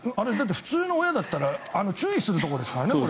普通の親だったら注意するところですからね。